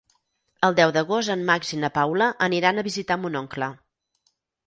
El deu d'agost en Max i na Paula aniran a visitar mon oncle.